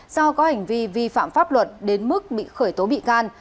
do có hành vi vi phạm pháp luật đến mức bị khởi tố bị can